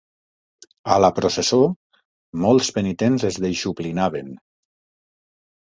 A la processó, molts penitents es deixuplinaven.